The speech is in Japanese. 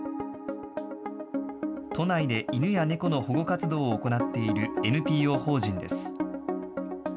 都内で犬や猫の保護活動を行っているＮＰＯ法人です。